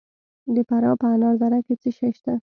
د فراه په انار دره کې څه شی شته؟